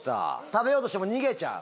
食べようとしても逃げちゃう？